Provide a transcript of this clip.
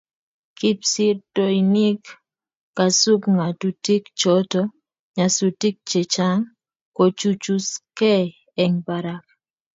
Kipsirtoinik kosub ngatutik choto nyasutik che chang kochuchuksei eng Barak.